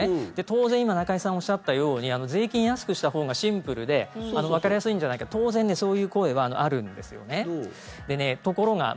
当然、今中居さんおっしゃったように税金安くしたほうがシンプルでわかりやすいんじゃないか当然そういう声はあるんです。